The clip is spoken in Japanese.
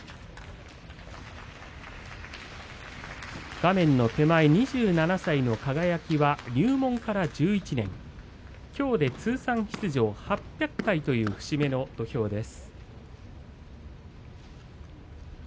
画面の手前２７歳の輝は入門から１１年きょうで通算出場８００回という節目の土俵です。